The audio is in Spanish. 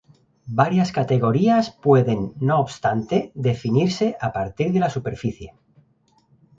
Varias categorías pueden no obstante definirse a partir de la superficie.